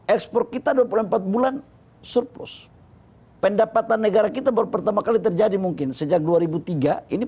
ekspor kita dua puluh empat bulan surplus pendapatan negara kita baru pertama kali terjadi mungkin sejak dua ribu tiga ini